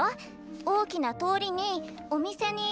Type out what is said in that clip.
大きな通りにお店に。